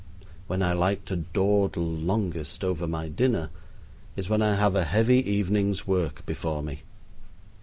When I like to dawdle longest over my dinner is when I have a heavy evening's work before me.